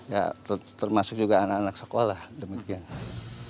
ya termasuk juga anak anak sekolah dan begini